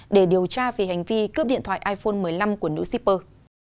để điều tra về hành vi cướp điện thoại iphone một mươi năm của nữ shipper